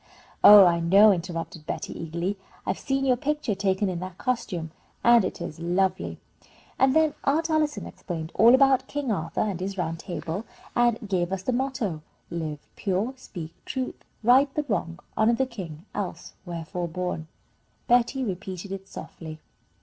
"Oh, I know," interrupted Betty, eagerly. "I've seen your picture taken in that costume, and it is lovely." "And then Aunt Allison explained all about King Arthur and his Round Table, and gave us the motto: 'Live pure, speak truth, right the wrong, honour the king, else wherefore born?'" Betty repeated it softly.